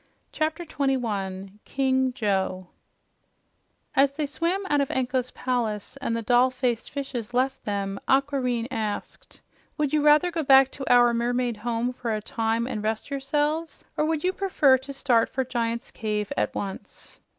CHAPTER 21 KING JOE As they swam out of Anko's palace and the doll faced fishes left them, Aquareine asked: "Would you rather go back to our mermaid home for a time and rest yourselves or would you prefer to start for Giant's Cave at once?"